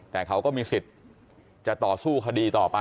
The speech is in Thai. แต่เขาก็มีสิทธิ์จะต่อสู้คดีต่อไป